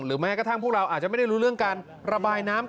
แม้กระทั่งพวกเราอาจจะไม่ได้รู้เรื่องการระบายน้ำ